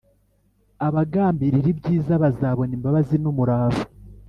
abagambirira ibyiza bazabona imbabazi n’umurava